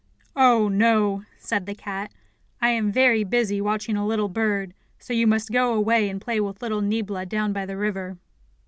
"Oh, no," said the cat. "I am very busy watching a little bird, so you must go away and play with little Niebla down by the river."